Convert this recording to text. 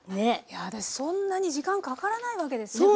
いやそんなに時間かからないわけですね。